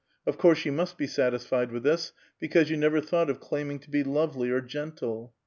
Of course you must be satisfied with this, because you never thought of claiming to be lovely or gentle.